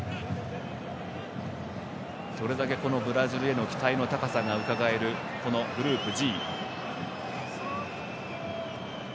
それだけ、このブラジルへの期待の高さがうかがえるこのグループＧ。